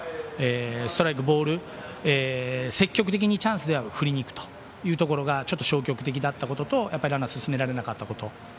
ストライクとボール積極的にチャンスでは振りにくるとそこが消極的だったことランナーを進められなかったところ。